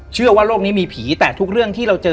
เชื่อว่าโลกนี้มีผีแต่ทุกเรื่องที่เราเจอ